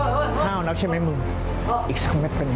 น่าวนักใช่มั้ยมึงอีกสักแค่ไม่เป็นยัง